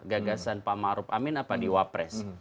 gagasan pak ma'ruf amin apa di wapres